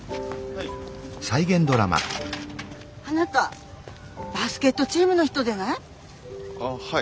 あなたバスケットチームの人でない？